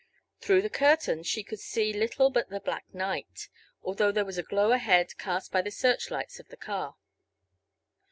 Through the curtains she could see little but the black night, although there was a glow ahead cast by the searchlights of the car.